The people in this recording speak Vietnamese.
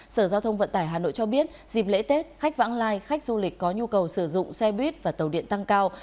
sở giao thông vận tải hà nội cho biết dịp lễ tết khách vãng lai khách du lịch có nhu cầu sử dụng xe buýt và tàu điện tăng cao